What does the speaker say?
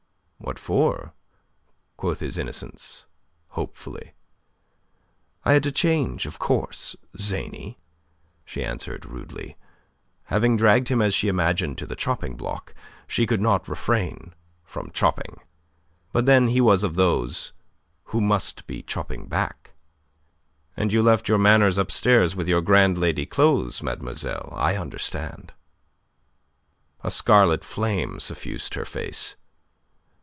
"What for?" quoth his innocence, hopefully. "I had to change, of course, zany," she answered, rudely. Having dragged him, as she imagined, to the chopping block, she could not refrain from chopping. But then he was of those who must be chopping back. "And you left your manners upstairs with your grand lady clothes, mademoiselle. I understand." A scarlet flame suffused her face.